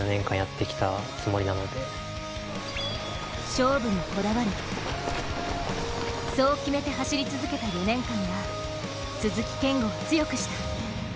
勝負にこだわる、そう決めて走り続けた４年間が鈴木健吾を強くした。